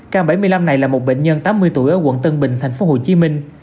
ca bảy mươi năm này là một bệnh nhân tám mươi tuổi ở quận tân bình thành phố hồ chí minh